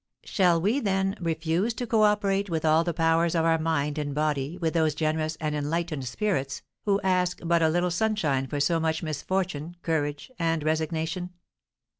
Shall we, then, refuse to cooperate with all the powers of our mind and body with those generous and enlightened spirits, who ask but a little sunshine for so much misfortune, courage, and resignation?